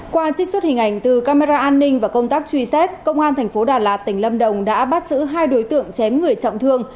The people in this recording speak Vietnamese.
qua trích xuất hình ảnh từ camera an ninh và công tác truy xét công an thành phố đà lạt tỉnh lâm đồng đã bắt giữ hai đối tượng chém người trọng thương